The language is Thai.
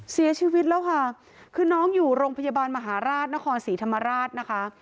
เสียชีวิตแล้วค่ะคือน้องอยู่โรงพยาบาลมหาราชนครศรีธรรมราชนะคะ